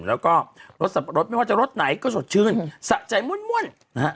แล้วก็รสสับปะรดไม่ว่าจะรสไหนก็สดชื่นสะใจม่วนนะฮะ